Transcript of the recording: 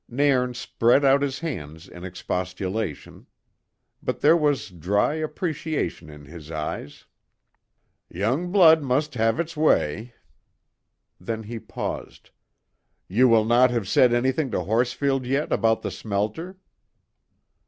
Nairn spread out his hands in expostulation, but there was dry appreciation in his eyes. "Young blood must have its way." Then he paused. "Ye will not have said anything to Horsfield yet about the smelter?"